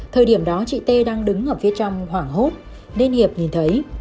thời điểm đó chị tê đang đứng ở phía trong hoảng hốt nên hiệp nhìn thấy